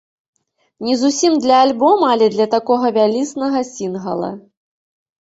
Не зусім для альбома, але для такога вялізнага сінгала.